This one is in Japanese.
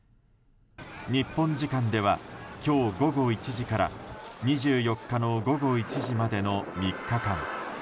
日本時間では今日午後１時から２４日の午後１時までの３日間。